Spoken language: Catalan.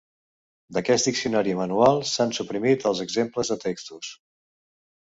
D'aquest diccionari manual s'han suprimit els exemples de textos.